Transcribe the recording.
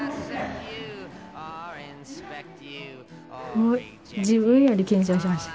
もう自分より緊張してました。